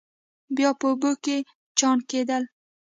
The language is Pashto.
بیا په اوبو کې چاڼ کېدل.